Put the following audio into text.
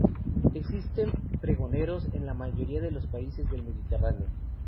Existen pregoneros en la mayoría de los países del Mediterráneo.